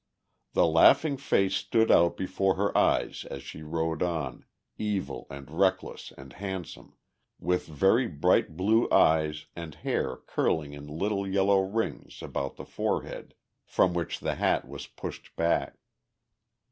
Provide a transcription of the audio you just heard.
The laughing face stood out before her eyes as she rode on, evil and reckless and handsome, with very bright blue eyes and hair curling in little yellow rings about the forehead from which the hat was pushed back.